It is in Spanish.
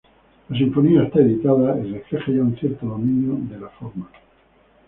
La Sinfonía está editada y refleja ya un cierto dominio de la forma.